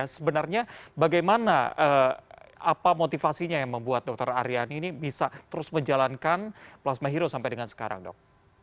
sebenarnya bagaimana apa motivasinya yang membuat dokter aryani ini bisa terus menjalankan plasma hero sampai dengan sekarang dok